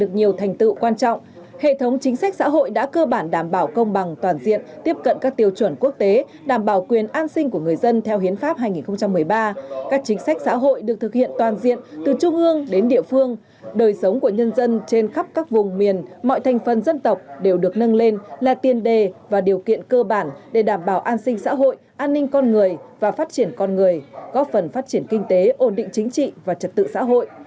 chương trình hội nghị đã cơ bản đảm bảo công bằng toàn diện tiếp cận các tiêu chuẩn quốc tế đảm bảo quyền an sinh của người dân theo hiến pháp hai nghìn một mươi ba các chính sách xã hội được thực hiện toàn diện từ trung ương đến địa phương đời sống của nhân dân trên khắp các vùng miền mọi thành phần dân tộc đều được nâng lên là tiên đề và điều kiện cơ bản để đảm bảo an sinh xã hội an ninh con người và phát triển con người góp phần phát triển kinh tế ổn định chính trị và trật tự xã hội